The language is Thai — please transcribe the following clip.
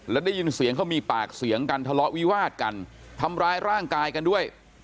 แล้วได้ยินเสียงเขามีปากเสียงกันทะเลาะวิวาดกันทำร้ายร่างกายกันด้วย